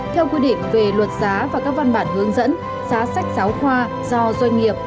theo quy định về luật giá và các văn bản hướng dẫn giá sách giáo khoa do doanh nghiệp